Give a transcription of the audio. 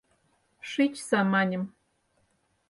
Шичса, маньым!